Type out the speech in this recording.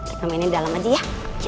kita mainnya di dalam aja ya